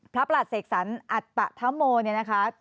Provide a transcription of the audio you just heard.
พระประศกษัตริย์อัตตะธรรมโมนี่นะคะ